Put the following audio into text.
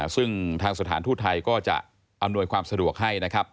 ซึ่งทางสถานทูตไทยก็จะอำนวยความสะดวกให้นะครับ